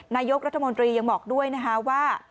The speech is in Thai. นายกรัฐมนตรียังบอกด้วยนะคะว่า